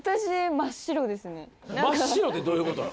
真っ白ってどういうことなの？